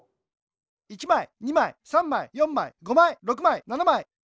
１まい２まい３まい４まい５まい６まい７まい。